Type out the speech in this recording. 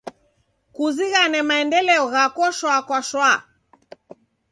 Kuzighane maendeleo ghako shwaa kwa shwaa.